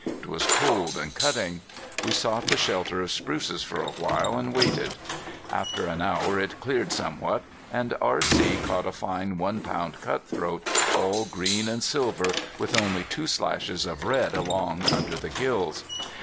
It was cold and cutting. We sought the shelter of spruces for a while, and waited. After an hour it cleared somewhat, and R.C. caught a fine one pound cutthroat, all green and silver, with only two slashes of red along under the gills.